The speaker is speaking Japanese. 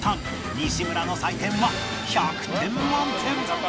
西村の採点は１００点満点！